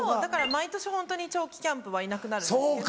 毎年ホントに長期キャンプはいなくなるんですけど。